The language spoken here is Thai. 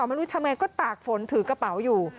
ไม่รู้ทำไงก็ตากฝนถือกระเป๋าอยู่